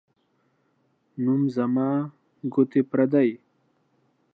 نوم زما ، گوتي پردۍ.